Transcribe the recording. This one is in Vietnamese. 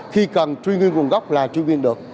khi cần truy nguyên nguồn gốc là truy nguyên được